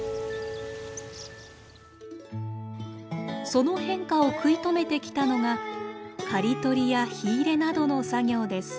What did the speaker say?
その変化を食い止めてきたのが刈り取りや火入れなどの作業です。